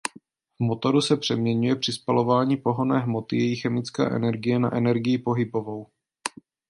V motoru se přeměňuje při spalování pohonné hmoty jejich chemická energie na energii pohybovou.